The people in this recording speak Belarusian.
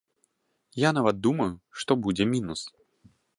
Я нават думаю, што будзе мінус.